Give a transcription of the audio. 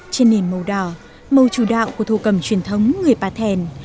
trên nền màu đỏ màu chủ đạo của thổ cầm truyền thống người bà thèn